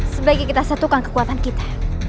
sebaiknya kita satukan kekuatan kita